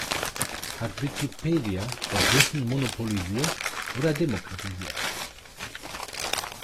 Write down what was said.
Hat Wikipedia das Wissen monopolisiert oder demokratisiert?